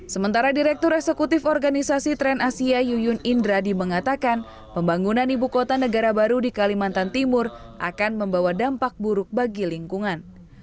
sementara direktur eksekutif organisasi tren asia yuyun indradi mengatakan pembangunan ibu kota negara baru di kalimantan timur akan membawa dampak buruk bagi lingkungan